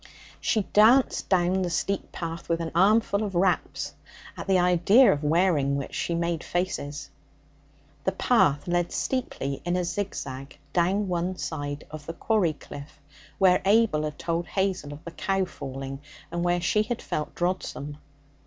She danced down the steep path with an armful of wraps, at the idea of wearing which she had made faces. The path led steeply in a zigzag down one side of the quarry cliff, where Abel had told Hazel of the cow falling, and where she had felt drodsome.